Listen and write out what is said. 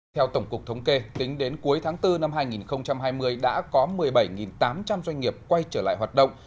theo tổng cục thống kê tính đến cuối tháng bốn năm hai nghìn hai mươi đã có một mươi bảy tám trăm linh doanh nghiệp quay trở lại hoạt động